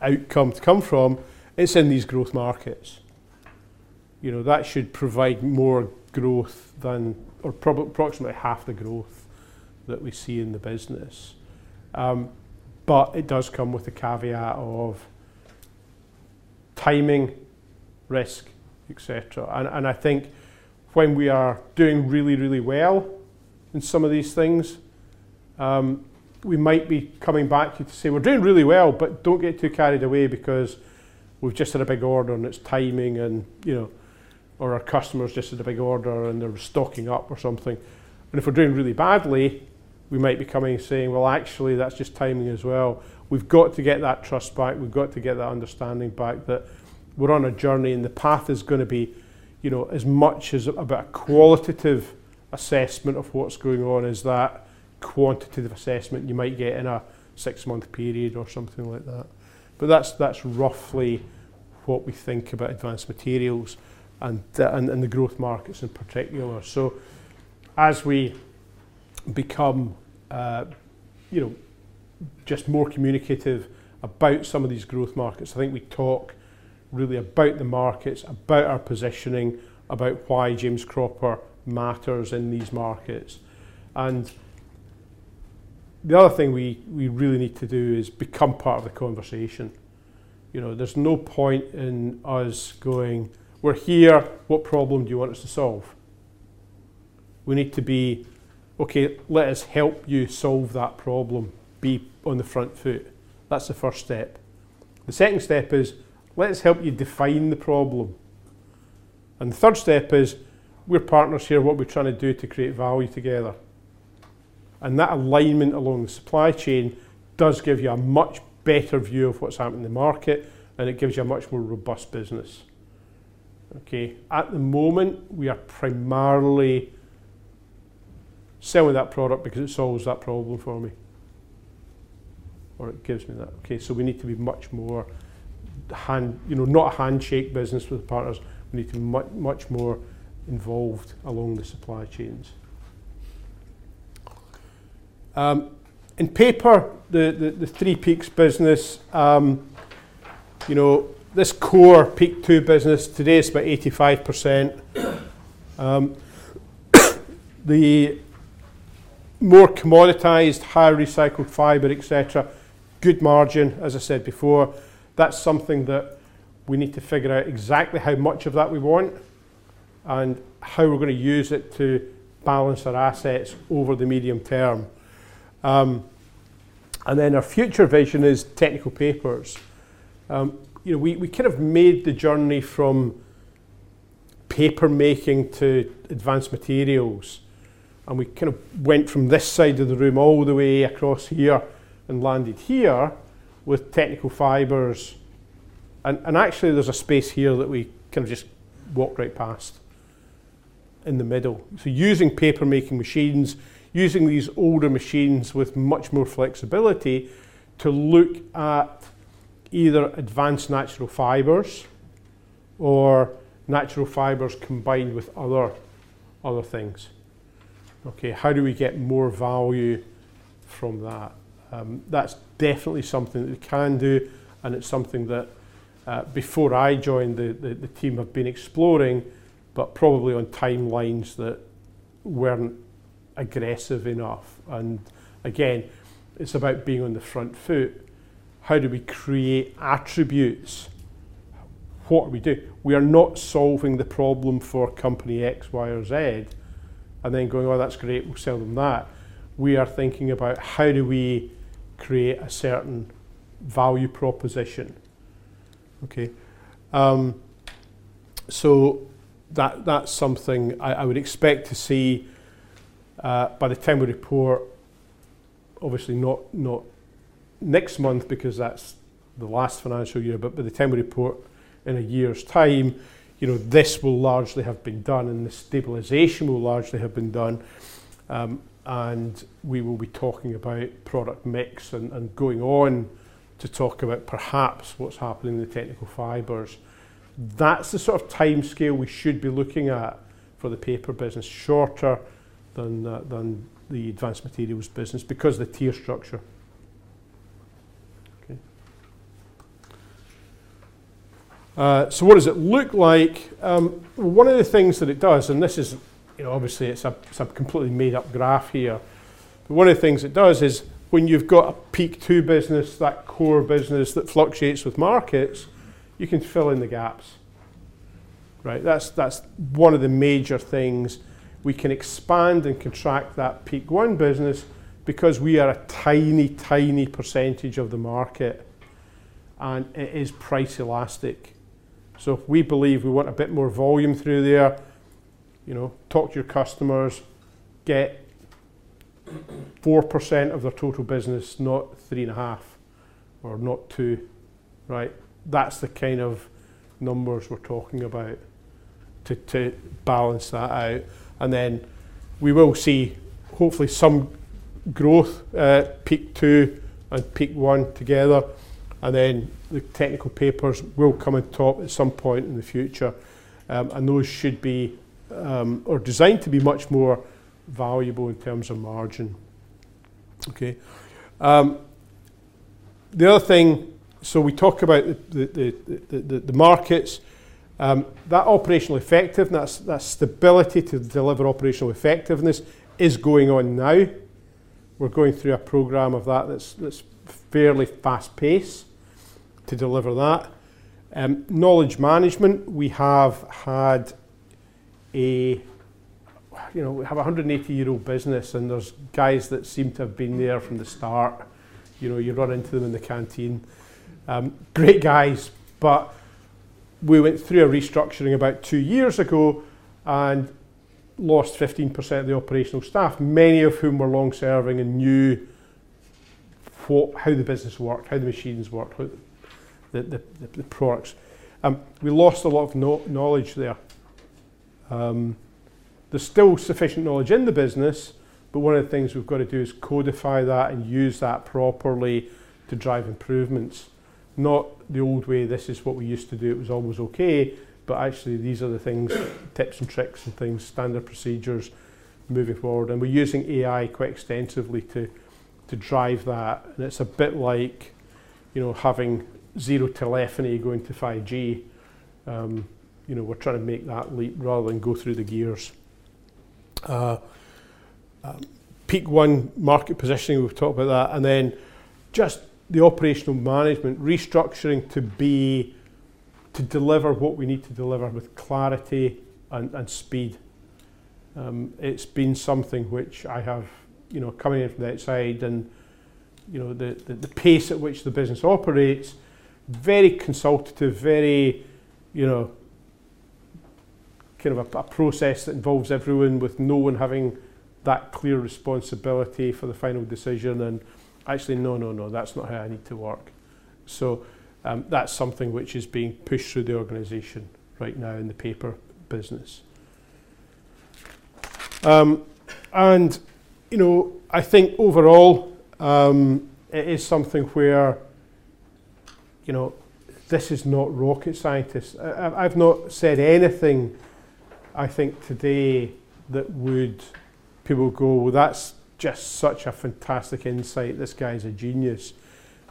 outcome to come from? It's in these growth markets. That should provide more growth than or approximately half the growth that we see in the business. It does come with the caveat of timing, risk, etc. I think when we are doing really, really well in some of these things, we might be coming back to say, "We're doing really well, but don't get too carried away because we've just had a big order and it's timing," or, "Our customer's just had a big order and they're stocking up or something." If we're doing really badly, we might be coming and saying, "Well, actually, that's just timing as well." We've got to get that trust back. We've got to get that understanding back that we're on a journey and the path is going to be as much about a qualitative assessment of what's going on as that quantitative assessment you might get in a six-month period or something like that. That is roughly what we think about advanced materials and the growth markets in particular. As we become just more communicative about some of these growth markets, I think we talk really about the markets, about our positioning, about why James Cropper matters in these markets. The other thing we really need to do is become part of the conversation. There's no point in us going, "We're here. What problem do you want us to solve?" We need to be, "Okay, let us help you solve that problem, be on the front foot." That's the first step. The second step is, "Let us help you define the problem." The third step is, "We're partners here. What are we trying to do to create value together?" That alignment along the supply chain does give you a much better view of what's happening in the market, and it gives you a much more robust business. Okay? At the moment, we are primarily selling that product because it solves that problem for me, or it gives me that. Okay? We need to be much more not a handshake business with the partners. We need to be much more involved along the supply chains. In paper, the three peaks business, this core peak two business, today it's about 85%. The more commoditised, high-recycled fibre, etc., good margin, as I said before. That's something that we need to figure out exactly how much of that we want and how we're going to use it to balance our assets over the medium term. Our future vision is technical papers. We kind of made the journey from paper making to advanced materials, and we kind of went from this side of the room all the way across here and landed here with technical fibres. Actually, there's a space here that we kind of just walked right past in the middle. Using paper-making machines, using these older machines with much more flexibility to look at either advanced natural fibres or natural fibres combined with other things. Okay? How do we get more value from that? That's definitely something that we can do, and it's something that before I joined, the team had been exploring, but probably on timelines that were not aggressive enough. Again, it's about being on the front foot. How do we create attributes? What do we do? We are not solving the problem for company X, Y, or Z and then going, "Oh, that's great. We'll sell them that." We are thinking about how do we create a certain value proposition. Okay? That's something I would expect to see by the time we report, obviously not next month because that's the last financial year, but by the time we report in a year's time, this will largely have been done, and the stabilization will largely have been done. We will be talking about product mix and going on to talk about perhaps what's happening in the technical fibres. That's the sort of timescale we should be looking at for the paper business, shorter than the advanced materials business because of the tier structure. Okay? What does it look like? One of the things that it does, and this is obviously some completely made-up graph here, but one of the things it does is when you've got a peak two business, that core business that fluctuates with markets, you can fill in the gaps. Right? That's one of the major things. We can expand and contract that peak one business because we are a tiny, tiny percentage of the market, and it is price elastic. If we believe we want a bit more volume through there, talk to your customers, get 4% of their total business, not 3.5% or not 2%. Right? That's the kind of numbers we're talking about to balance that out. We will see, hopefully, some growth at peak two and peak one together. The technical papers will come and talk at some point in the future. Those should be, or are designed to be, much more valuable in terms of margin. Okay? The other thing, we talk about the markets. That operational effectiveness, that stability to deliver operational effectiveness, is going on now. We are going through a program of that that is fairly fast-paced to deliver that. Knowledge management, we have a 180-year-old business, and there are guys that seem to have been there from the start. You run into them in the canteen. Great guys. We went through a restructuring about two years ago and lost 15% of the operational staff, many of whom were long-serving and knew how the business worked, how the machines worked, the products. We lost a lot of knowledge there. There's still sufficient knowledge in the business, but one of the things we've got to do is codify that and use that properly to drive improvements. Not the old way, "This is what we used to do. It was always okay," but actually, these are the things, tips and tricks and things, standard procedures moving forward. We're using AI quite extensively to drive that. It's a bit like having zero telephony going to 5G. We're trying to make that leap rather than go through the gears. Peak one market positioning, we've talked about that. Just the operational management, restructuring to deliver what we need to deliver with clarity and speed. It's been something which I have coming in from the outside and the pace at which the business operates, very consultative, very kind of a process that involves everyone with no one having that clear responsibility for the final decision. Actually, no, no, no, that's not how I need to work. That's something which is being pushed through the organization right now in the paper business. I think overall, it is something where this is not rocket scientists. I've not said anything, I think, today that would people go, "That's just such a fantastic insight. This guy's a genius."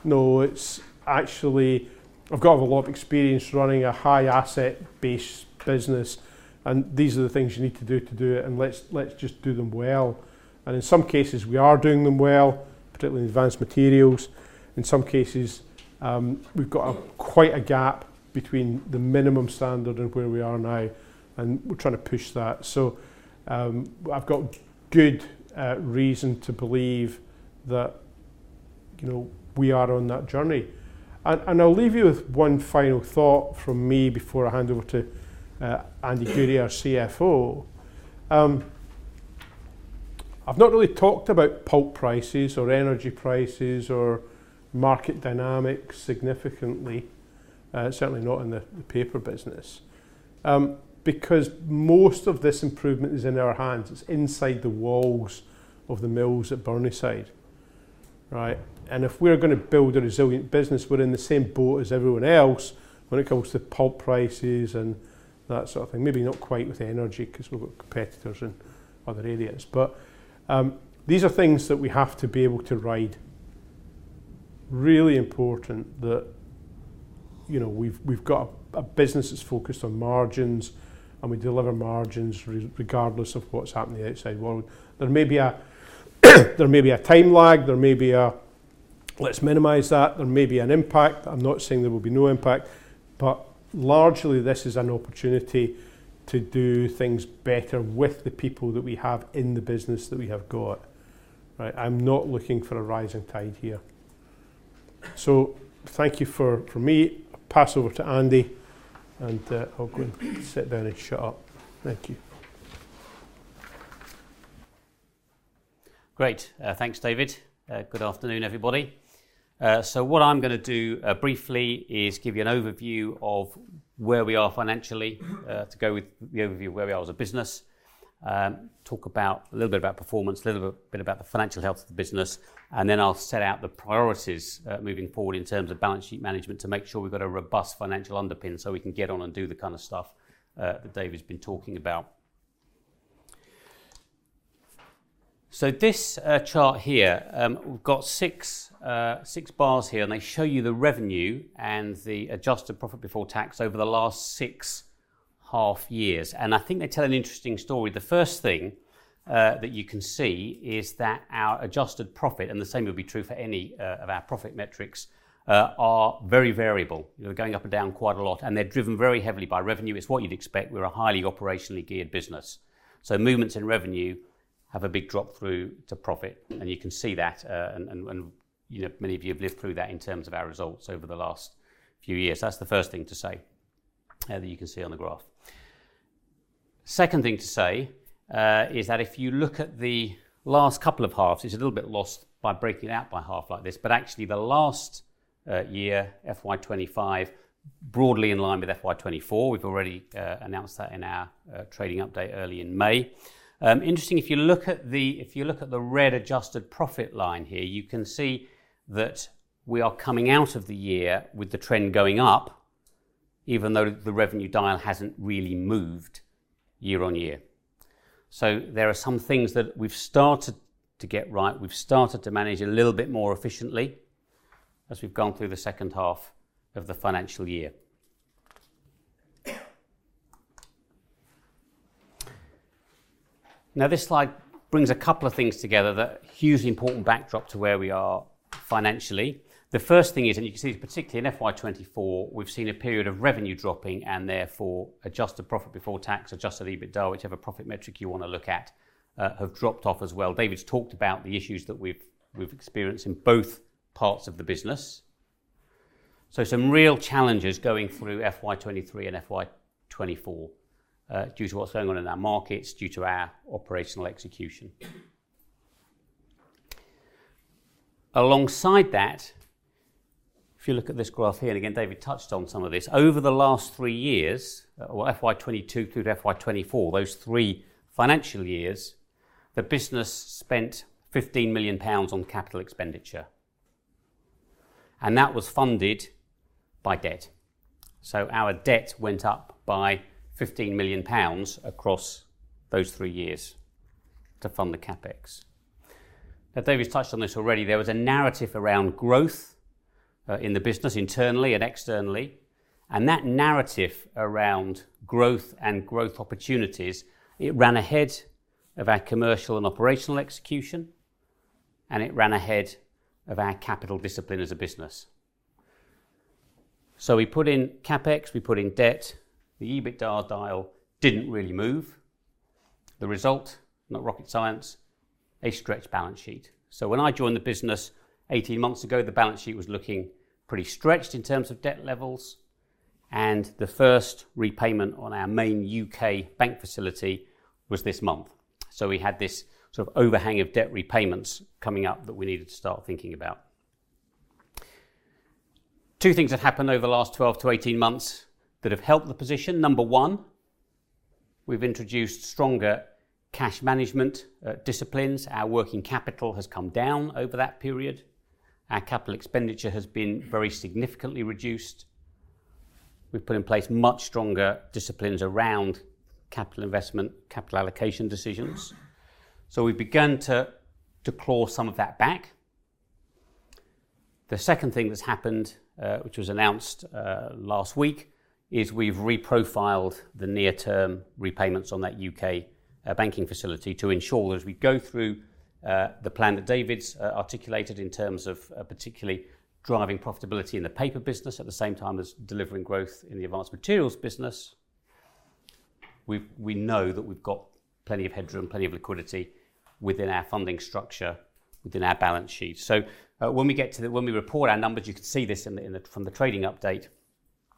No, it's actually, "I've got a lot of experience running a high-asset-based business, and these are the things you need to do to do it, and let's just do them well." In some cases, we are doing them well, particularly in advanced materials. In some cases, we've got quite a gap between the minimum standard and where we are now, and we're trying to push that. I have good reason to believe that we are on that journey. I will leave you with one final thought from me before I hand over to Andy Goody, our CFO. I have not really talked about pulp prices or energy prices or market dynamics significantly, certainly not in the paper business, because most of this improvement is in our hands. It is inside the walls of the mills at Burneside. Right? If we are going to build a resilient business, we are in the same boat as everyone else when it comes to pulp prices and that sort of thing. Maybe not quite with energy because we have competitors in other areas, but these are things that we have to be able to ride. Really important that we've got a business that's focused on margins, and we deliver margins regardless of what's happening outside the world. There may be a time lag. There may be a, "Let's minimize that." There may be an impact. I'm not saying there will be no impact, but largely, this is an opportunity to do things better with the people that we have in the business that we have got. Right? I'm not looking for a rising tide here. So thank you for me. I'll pass over to Andy, and I'll go and sit down and shut up. Thank you. Great. Thanks, David. Good afternoon, everybody. What I'm going to do briefly is give you an overview of where we are financially to go with the overview of where we are as a business, talk a little bit about performance, a little bit about the financial health of the business, and then I'll set out the priorities moving forward in terms of balance sheet management to make sure we've got a robust financial underpin so we can get on and do the kind of stuff that David's been talking about. This chart here, we've got six bars here, and they show you the revenue and the adjusted profit before tax over the last 6.5 years. I think they tell an interesting story. The first thing that you can see is that our adjusted profit, and the same would be true for any of our profit metrics, are very variable. They're going up and down quite a lot, and they're driven very heavily by revenue. It's what you'd expect. We're a highly operationally geared business. Movements in revenue have a big drop through to profit, and you can see that, and many of you have lived through that in terms of our results over the last few years. That's the first thing to say that you can see on the graph. The second thing to say is that if you look at the last couple of halves, it's a little bit lost by breaking it out by half like this, but actually, the last year, FY 2025, broadly in line with FY 2024. We've already announced that in our trading update early in May. Interesting, if you look at the red adjusted profit line here, you can see that we are coming out of the year with the trend going up, even though the revenue dial has not really moved year on year. There are some things that we have started to get right. We have started to manage a little bit more efficiently as we have gone through the second half of the financial year. This slide brings a couple of things together that are a hugely important backdrop to where we are financially. The first thing is, and you can see it is particularly in FY 2024, we have seen a period of revenue dropping and therefore adjusted profit before tax, Adjusted EBITDA, whichever profit metric you want to look at, have dropped off as well. David has talked about the issues that we have experienced in both parts of the business. Some real challenges going through FY 2023 and FY 2024 due to what is going on in our markets, due to our operational execution. Alongside that, if you look at this graph here, and again, David touched on some of this, over the last three years, FY 2022 through to FY 2024, those three financial years, the business spent 15 million pounds on capital expenditure, and that was funded by debt. Our debt went up by 15 million pounds across those three years to fund the CapEx. David has touched on this already. There was a narrative around growth in the business internally and externally, and that narrative around growth and growth opportunities ran ahead of our commercial and operational execution, and it ran ahead of our capital discipline as a business. We put in CapEx, we put in debt, the EBITDA dial did not really move. The result, not rocket science, a stretched balance sheet. When I joined the business 18 months ago, the balance sheet was looking pretty stretched in terms of debt levels, and the first repayment on our main U.K. bank facility was this month. We had this sort of overhang of debt repayments coming up that we needed to start thinking about. Two things have happened over the last 12-18 months that have helped the position. Number one, we've introduced stronger cash management disciplines. Our working capital has come down over that period. Our capital expenditure has been very significantly reduced. We've put in place much stronger disciplines around capital investment, capital allocation decisions. We've begun to claw some of that back. The second thing that's happened, which was announced last week, is we've reprofiled the near-term repayments on that U.K. banking facility to ensure that as we go through the plan that David's articulated in terms of particularly driving profitability in the paper business at the same time as delivering growth in the advanced materials business, we know that we've got plenty of headroom, plenty of liquidity within our funding structure, within our balance sheet. When we get to the when we report our numbers, you can see this from the trading update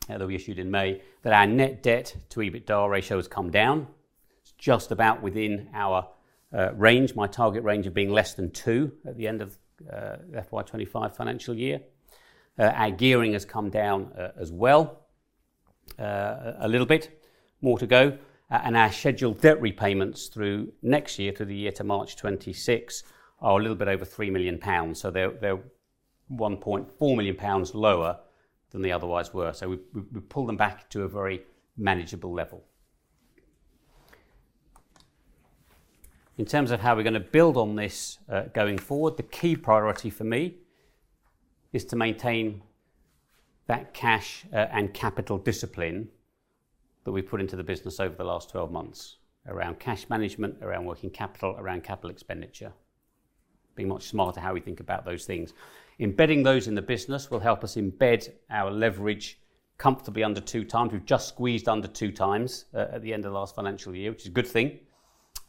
that we issued in May, that our net debt to EBITDA ratio has come down. It's just about within our range, my target range of being less than 2 at the end of FY 2025 financial year. Our gearing has come down as well, a little bit more to go. Our scheduled debt repayments through next year to the year to March 2026 are a little bit over 3 million pounds. They are 1.4 million pounds lower than they otherwise were. We have pulled them back to a very manageable level. In terms of how we are going to build on this going forward, the key priority for me is to maintain that cash and capital discipline that we have put into the business over the last 12 months around cash management, around working capital, around capital expenditure, being much smarter how we think about those things. Embedding those in the business will help us embed our leverage comfortably under two times. We have just squeezed under two times at the end of the last financial year, which is a good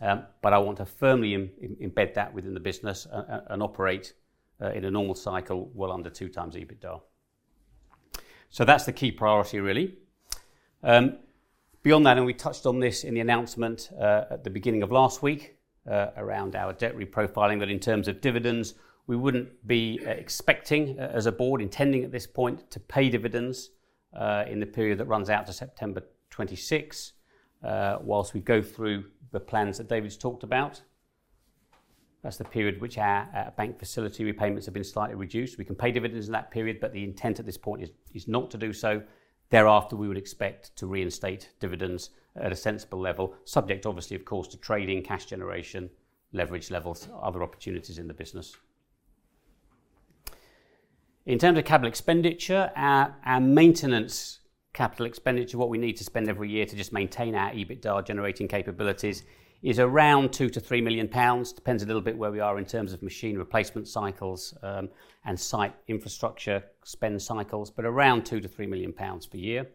thing. I want to firmly embed that within the business and operate in a normal cycle well under 2x EBITDA. That's the key priority, really. Beyond that, and we touched on this in the announcement at the beginning of last week around our debt reprofiling, but in terms of dividends, we would not be expecting as a board intending at this point to pay dividends in the period that runs out to September 2026 whilst we go through the plans that David's talked about. That's the period which our bank facility repayments have been slightly reduced. We can pay dividends in that period, but the intent at this point is not to do so. Thereafter, we would expect to reinstate dividends at a sensible level, subject obviously, of course, to trading, cash generation, leverage levels, other opportunities in the business. In terms of capital expenditure, our maintenance capital expenditure, what we need to spend every year to just maintain our EBITDA generating capabilities is around 2-3 million pounds. Depends a little bit where we are in terms of machine replacement cycles and site infrastructure spend cycles, but around 2 million-3 million pounds per year.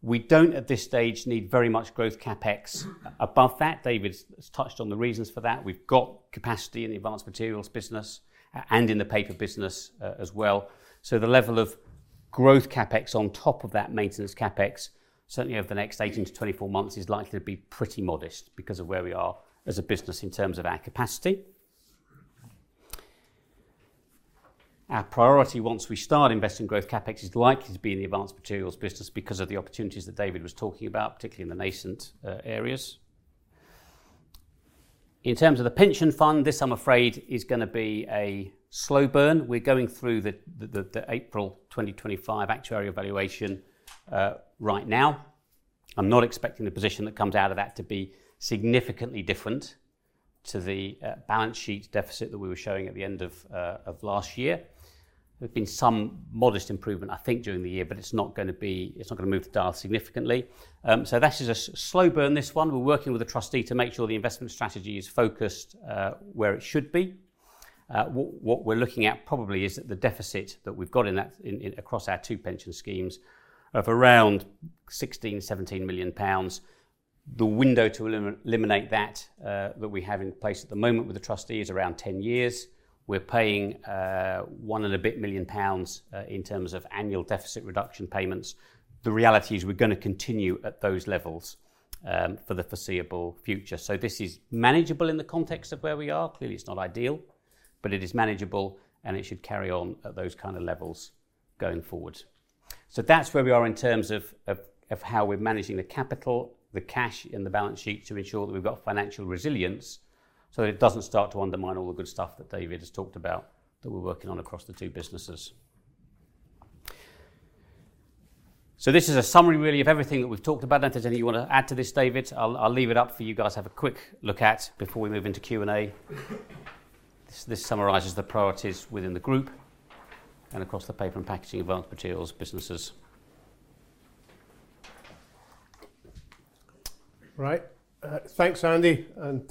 We do not at this stage need very much growth CapEx above that. David's touched on the reasons for that. We have got capacity in the advanced materials business and in the paper business as well. The level of growth CapEx on top of that maintenance CapEx, certainly over the next 18-24 months, is likely to be pretty modest because of where we are as a business in terms of our capacity. Our priority once we start investing growth CapEx is likely to be in the advanced materials business because of the opportunities that David was talking about, particularly in the nascent areas. In terms of the pension fund, this I am afraid is going to be a slow burn. We're going through the April 2025 actuarial evaluation right now. I'm not expecting the position that comes out of that to be significantly different to the balance sheet deficit that we were showing at the end of last year. There's been some modest improvement, I think, during the year, but it's not going to move the dial significantly. That is a slow burn, this one. We're working with the trustee to make sure the investment strategy is focused where it should be. What we're looking at probably is that the deficit that we've got across our two pension schemes of around 16 million-17 million pounds. The window to eliminate that that we have in place at the moment with the trustee is around 10 years. We're paying one and a bit million pounds in terms of annual deficit reduction payments. The reality is we're going to continue at those levels for the foreseeable future. This is manageable in the context of where we are. Clearly, it's not ideal, but it is manageable, and it should carry on at those kind of levels going forward. That is where we are in terms of how we're managing the capital, the cash in the balance sheet to ensure that we've got financial resilience so that it does not start to undermine all the good stuff that David has talked about that we're working on across the two businesses. This is a summary really of everything that we've talked about. If there's anything you want to add to this, David, I'll leave it up for you guys to have a quick look at before we move into Q&A. This summarizes the priorities within the group and across the paper and packaging advanced materials businesses. Right. Thanks, Andy, and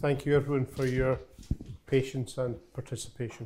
thank you everyone for your patience and participation.